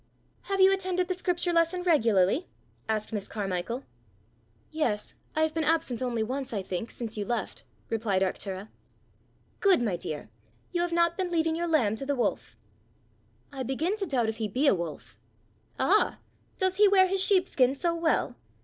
"Have you attended the scripture lesson regularly?" asked Miss Carmichael. "Yes; I have been absent only once, I think, since you left," replied Arctura. "Good, my dear! You have not been leaving your lamb to the wolf!" "I begin to doubt if he be a wolf." "Ah! does he wear his sheepskin so well?